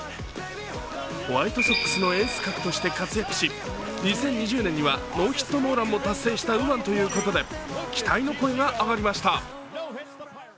ホワイトソックスのエース格として活躍し、２０２０年にはノーヒットノーランも達成した右腕ということで期待の声が上がりました。